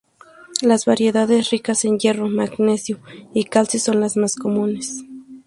Las variedades ricas en hierro, magnesio y calcio son las más comunes.